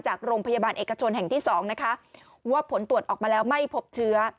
จากโรงพยาบาลเอกชนแห่งที่๒นะคะว่าผลตรวจออกมาแล้วไม่พบเชื้อ